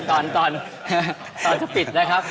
ตอนจะปิดนะครับ